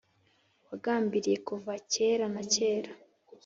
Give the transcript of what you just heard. wagambiriye kuva kera na kare.